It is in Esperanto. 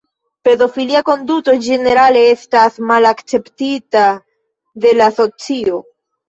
Pedofilia konduto ĝenerale estas malakceptita de la socio.